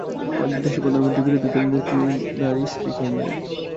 আমাদের দেশের প্রধানমন্ত্রী, বিরোধী দলের নেত্রী নারী, স্পিকার নারী।